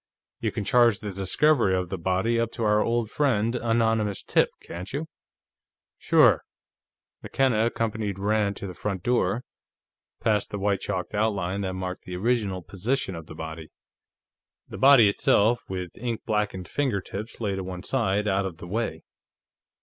You can charge the discovery of the body up to our old friend, Anonymous Tip, can't you?" "Sure." McKenna accompanied Rand to the front door, past the white chalked outline that marked the original position of the body. The body itself, with ink blackened fingertips, lay to one side, out of the way.